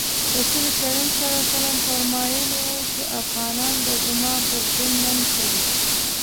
رسول کریم فرمایلي وو چې افغانان به زما پر دین ننګ کوي.